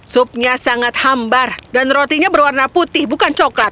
supnya sangat hambar dan rotinya berwarna putih bukan coklat